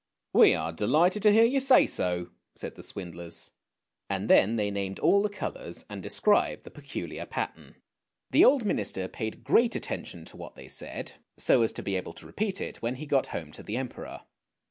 " We are delighted to hear you say so," said the swindlers, and then they named all the colours and described the peculiar pattern. The old minister paid great attention to what they 220 ANDERSEN'S FAIRY TALES said, so as to be able to repeat it when he got home to the Emperor.